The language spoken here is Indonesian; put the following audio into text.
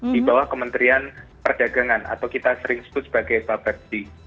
di bawah kementerian perdagangan atau kita sering sebut sebagai bapepti